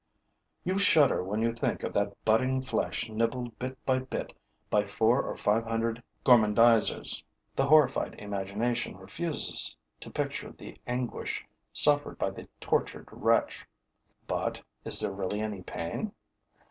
You shudder when you think of that budding flesh nibbled bit by bit by four or five hundred gormandizers; the horrified imagination refuses to picture the anguish suffered by the tortured wretch. But is there really any pain?